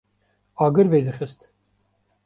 agir vedixwist